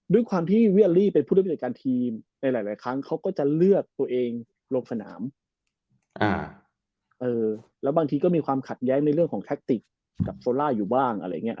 ด้วยความที่เวียลี่เป็นผู้เริ่มในการทีมในหลายครั้งเขาก็จะเลือกตัวเองลงสนามแล้วบางทีก็มีความขัดแย้งในเรื่องของแท็กติกกับโซล่าอยู่บ้างอะไรอย่างนี้